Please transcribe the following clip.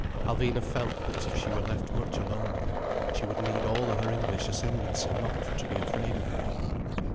Alvina felt that if she were left much alone with him she would need all her English ascendancy not to be afraid of him.